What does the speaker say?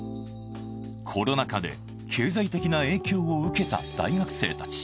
コロナ禍で経済的な影響を受けた大学生たち。